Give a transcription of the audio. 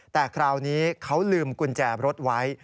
แต่คราวนี้เขาลืมกุญแจรถไว้